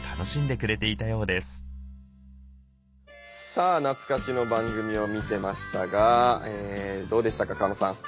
さあ懐かしの番組を見てましたがどうでしたか加納さん。